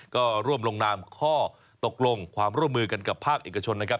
ก็ร่วมลงนามข้อตกลงความร่วมมือกันกับภาคเอกชนนะครับ